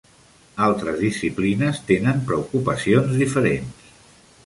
Altres disciplines tenen preocupacions diferents.